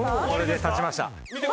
これで立ちました。